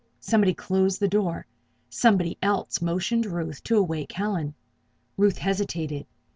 Somebody closed the door. Somebody else motioned Ruth to awaken Helen. Ruth hesitated.